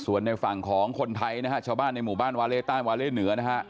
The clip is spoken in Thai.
ส่วนในฝั่งของคนไทยนะฮะชาวบ้านในหมู่บ้านวาเล่ใต้วาเล่เหนือนะฮะ